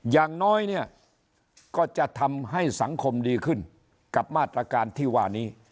อย่างน้อยเนี่ยก็จะทำให้สังคมดีขึ้นกับมาตรการที่ว่านี้